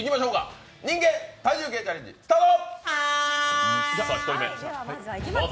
人間体重計チャレンジ、スタート！